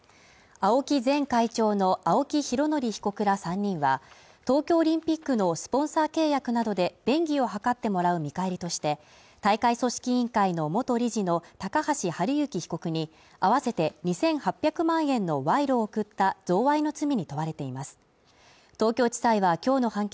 青木前会長の青木拡憲被告ら３人は東京オリンピックのスポンサー契約などで便宜を図ってもらう見返りとして、大会組織委員会の元理事の高橋治之被告に合わせて２８００万円の賄賂を贈った贈賄の罪に問われています。